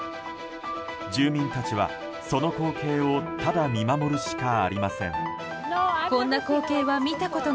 住民たちは、その光景をただ見守るしかありません。